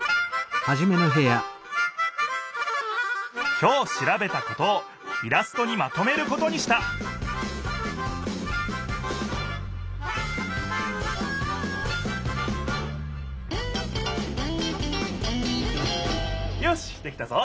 きょうしらべたことをイラストにまとめることにしたよしできたぞ！